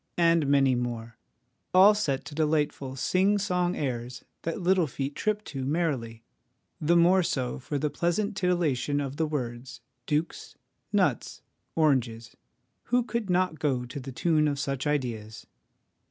' and many more, all set to delightful sing song airs that little feet trip to merrily, the more so for the pleasant titillation of the words dukes, nuts, oranges, who could not go to the tune of such ideas